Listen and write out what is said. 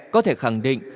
có thể khẳng định